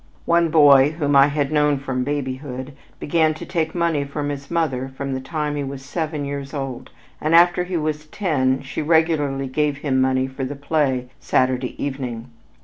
One boy whom I had known from babyhood began to take money from his mother from the time he was seven years old, and after he was ten she regularly gave him money for the play Saturday evening.